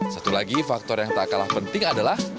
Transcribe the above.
satu lagi faktor yang tak kalah penting adalah